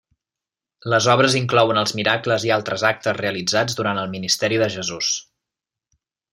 Les obres inclouen els miracles i altres actes realitzats durant el ministeri de Jesús.